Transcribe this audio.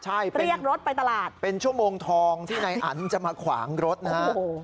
ใช่เป็นค่ะเป็นชั่วโมงทองที่ในอันจะมาขวางรถนะครับใช่